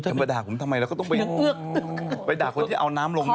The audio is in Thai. ฉันไปด่าผมทำไมแล้วก็ต้องไปด่าคนที่เอาน้ำลงไป